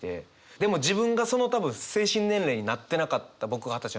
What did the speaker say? でも自分がその多分精神年齢になってなかった僕二十歳の時も。